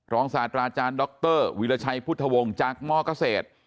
ศาสตราอาจารย์ดรวิราชัยพุทธวงศ์จากมเกษตร